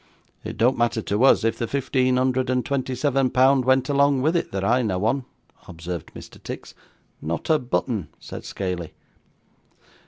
'It don't matter to us if the fifteen hundred and twenty seven pound went along with it, that I know on,' observed Mr. Tix. 'Not a button,' said Scaley.